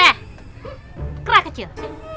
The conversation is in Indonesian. hei kera kecil